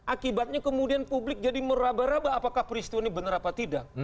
akibatnya kemudian publik jadi meraba raba apakah peristiwa ini benar apa tidak